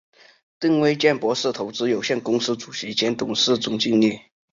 郑维健博士投资有限公司主席兼董事总经理。